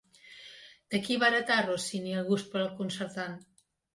De qui va heretar Rossini el gust pel concertant?